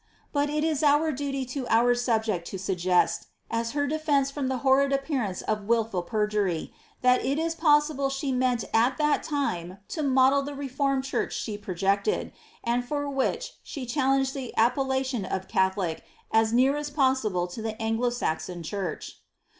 But It u our duly to our subject la suggest, as her defence from the horrid appearance of wilful perjury, that it ia possible ahe meant at that limi to model the reformed church she projected, and for which she ch«I> longed the appellation of catholic as near as possible to the Anglo Saxon church.